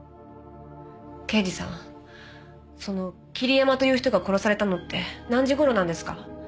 刑事さんその桐山という人が殺されたのって何時頃なんですか？